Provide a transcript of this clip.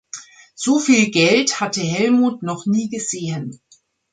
So viel Geld hatte Helmut noch nie gesehen.